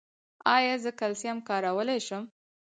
ایا زه کلسیم کارولی شم؟